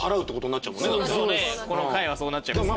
この回はそうなっちゃいますね。